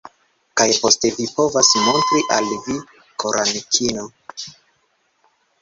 Kaj poste vi povas montri al via koramikino.